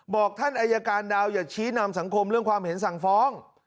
บอกท่านอายการดาวอย่าชี้นำสังคมเรื่องความเห็นสั่งฟ้อง